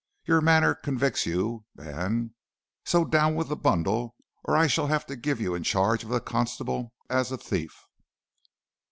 Your manner convicts you, man; so down with the bundle, or I shall have to give you in charge of the constable as a thief.'